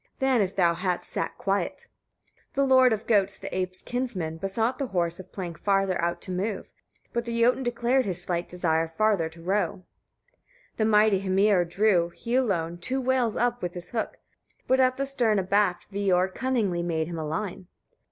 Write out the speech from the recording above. than if thou hadst sat quiet." 20. The lord of goats the apes' kinsman besought the horse of plank farther out to move; but the Jotun declared his slight desire farther to row. 21. The mighty Hymir drew, he alone, two whales up with his hook; but at the stern abaft Veor cunningly made him a line.